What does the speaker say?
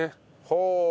ほう！